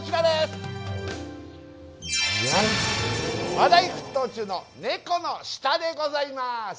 話題沸騰中の「ネコの舌」でございます。